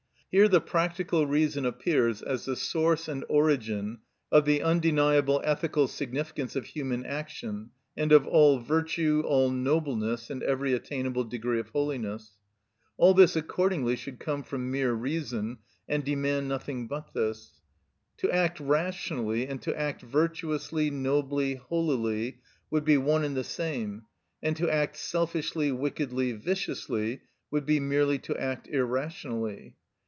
Here the practical reason appears as the source and origin of the undeniable ethical significance of human action, and of all virtue, all nobleness, and every attainable degree of holiness. All this accordingly should come from mere reason, and demand nothing but this. To act rationally and to act virtuously, nobly, holily, would be one and the same; and to act selfishly, wickedly, viciously, would be merely to act irrationally.